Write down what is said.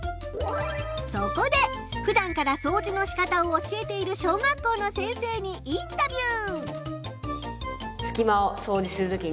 そこでふだんからそうじのしかたを教えている小学校の先生にインタビュー！